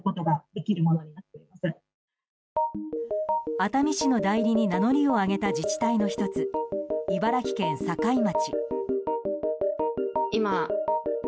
熱海市の代理に名乗りを上げた自治体の１つ茨城県境町。